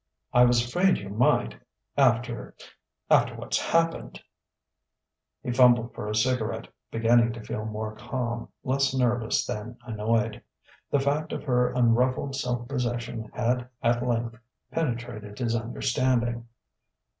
"I was afraid you might, after after what's happened " He fumbled for a cigarette, beginning to feel more calm, less nervous than annoyed. The fact of her unruffled self possession had at length penetrated his understanding.